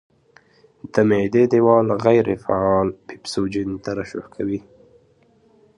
د معدې دېوال غیر فعال پیپسوجین ترشح کوي.